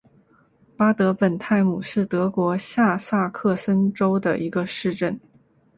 巴德本泰姆是德国下萨克森州的一个市镇。